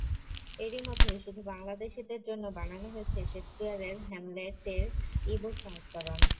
এরই মধ্যে শুধু বাংলাদেশিদের জন্য বানানো হয়েছে শেক্সপিয়ারের হ্যামলেট-এর ই-বুক সংস্করণ।